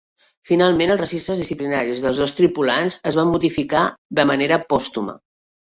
Finalment, els registres disciplinaris dels dos tripulants es van modificar de manera pòstuma.